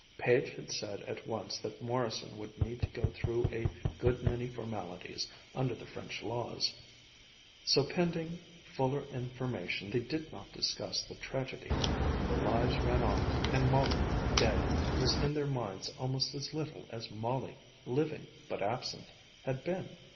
Page had said at once that Morrison would need to go through a good many formalities, under the French laws. So pending fuller information, they did not discuss the tragedy. Their lives ran on, and Molly, dead, was in their minds almost as little as Molly, living but absent, had been.